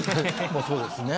そうですね。